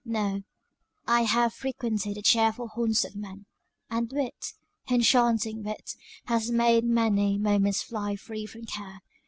No: I have frequented the cheerful haunts of men, and wit! enchanting wit! has made many moments fly free from care.